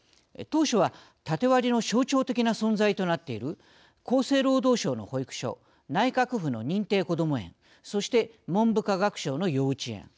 当初は、タテ割りの象徴的な存在となっている厚生労働省の保育所内閣府の認定こども園そして、文部科学省の幼稚園